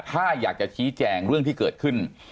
ถ้าอยากจะชี้แจงเรื่องที่เกิดขึ้น